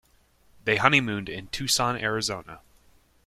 They honeymooned in Tucson, Arizona.